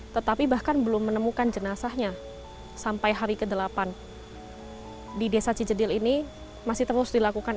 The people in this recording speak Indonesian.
tetapi bahkan belum menemukan jenazahnya sampai hari ke delapan di desa cijedil ini masih terus dilakukan